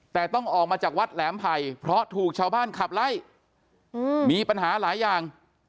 แต่ต้องออกมาจากวัดแหลมไผ่เพราะถูกชาวบ้านขับไล่มีปัญหาหลายอย่าง